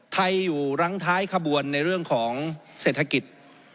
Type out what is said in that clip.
อยู่รั้งท้ายขบวนในเรื่องของเศรษฐกิจ